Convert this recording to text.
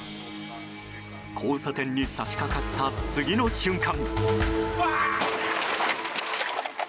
交差点に差し掛かった次の瞬間。